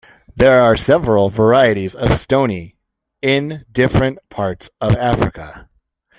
There are several varieties of Stoney in different parts of Africa.